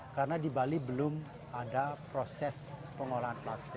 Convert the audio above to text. karena di bali belum ada proses pengolahan plastik